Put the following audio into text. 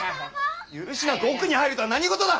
許しなく奥に入るとは何事だ！